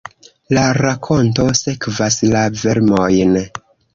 La rakonto sekvas la vermojn.